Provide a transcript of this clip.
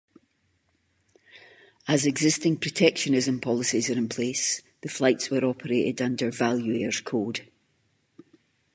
As existing protectionism policies are in place, the flights were operated under Valuair's code.